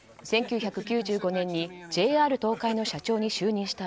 １９９５年にＪＲ東海の社長に就任した